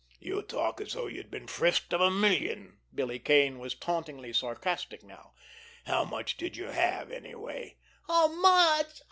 "You talk as though you'd been frisked of a million!" Billy Kane was tauntingly sarcastic now. "How much did you have, anyway?" "How much!